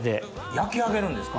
焼き上げるんですか！